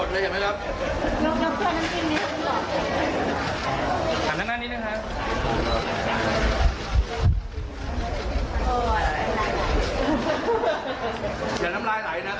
เริ่มมีคนน้ำลายหลายแล้ว